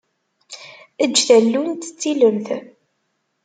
Eǧǧ tallunt d tilemt.